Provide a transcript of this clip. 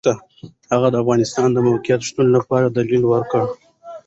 هغه د افغانستان د موقت شتون لپاره دلیل ورکړ.